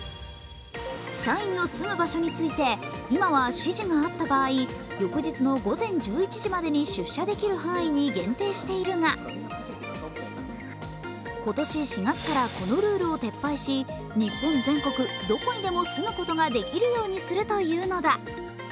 社員に住む場所について今は指示があった場合翌日の午前１１時までに出社できる範囲に限定しているが今年４月から、このルールを撤廃し日本全国どこにでも住むことができるようにするというのだ。